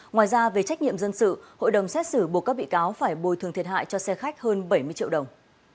ngoài ra về trách nhiệm dân sự hội đồng xét xử buộc các bị cáo phải bồi thường thiệt hại cho xe khách hơn bảy mươi triệu đồng